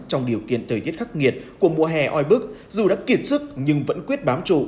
trong điều kiện thời tiết khắc nghiệt của mùa hè oi bức dù đã kiệt sức nhưng vẫn quyết bám trụ